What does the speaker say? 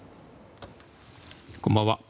こんばんは。